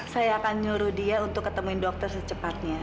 saya akan nyuruh dia untuk ketemuin dokter secepatnya